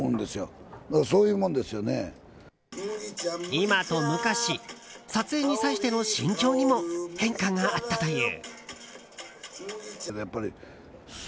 今と昔、撮影に際しての心境にも変化があったという。